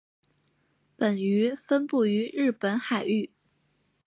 本鱼分布于日本海域。